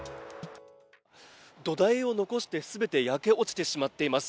土台を残して全て焼け落ちてしまっています